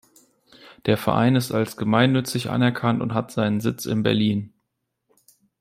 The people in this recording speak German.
Der Verein ist als gemeinnützig anerkannt und hat seinen Sitz in Berlin.